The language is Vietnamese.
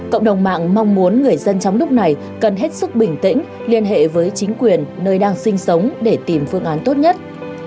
cộng đồng mạng mong muốn người dân trong lúc này cần hết sức bình tĩnh liên hệ với chính quyền nơi đang sinh sống để tìm phương án tốt nhất